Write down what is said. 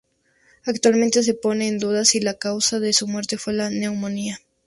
Actualmente se pone en duda si la causa de su muerte fue la neumonía.